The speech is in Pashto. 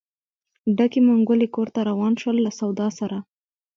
ډکې منګولې کور ته روان شول له سودا سره.